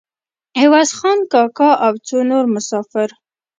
عوض خان کاکا او څو نور مسافر.